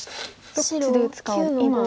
どっちで打つかを。